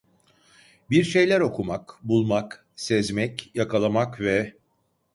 Bir şeyler okumak, bulmak, sezmek, yakalamak ve…